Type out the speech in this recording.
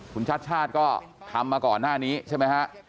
คุณชัดชาติก็ทำมาก่อนหน้านี้ใช่ไหมฮะ